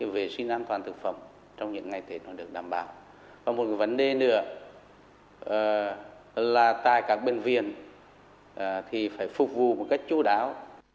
và một cái vấn đề nữa là tại các bệnh viện thì phải phục vụ một cách chú đáo